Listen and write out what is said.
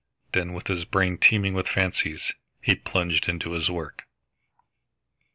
Then, with his brain teeming with fancies, he plunged into his work.